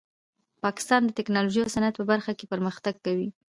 پاکستان د ټیکنالوژۍ او صنعت په برخه کې پرمختګ کوي.